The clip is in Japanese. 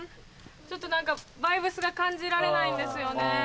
ちょっと何かバイブスが感じられないんですよね。